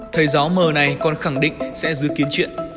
thầy giáo m này còn khẳng định sẽ dư kiến chuyện